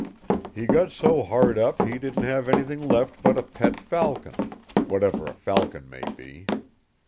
He got so hard up he didn't have anything left but a pet falcon. Whatever a falcon may be.